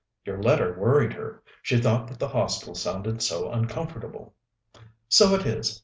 "Your letter worried her. She thought that the Hostel sounded so uncomfortable." "So it is.